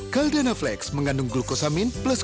caldena flex bergerak dengan tulang dan sendi sehat